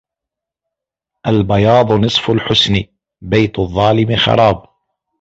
البياض نصف الحسن بيت الظالم خراب